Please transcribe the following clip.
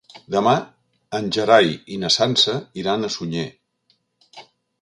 Demà en Gerai i na Sança iran a Sunyer.